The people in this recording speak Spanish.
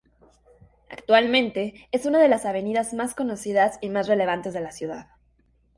Actualmente es una de las avenidas más conocidas y más relevantes de la ciudad.